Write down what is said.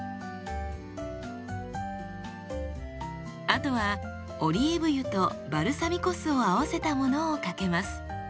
あとはオリーブ油とバルサミコ酢を合わせたものをかけます。